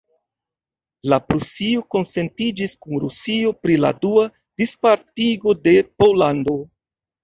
La Prusio konsentiĝis kun Rusio pri la dua dispartigo de Pollando.